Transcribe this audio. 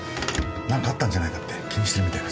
なんかあったんじゃないかって気にしてるみたいです。